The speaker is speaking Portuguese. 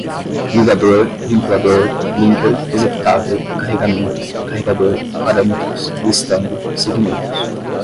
ligador, vinculador, linker, executável, carregamento, carregador, parâmetros, listando, segmentos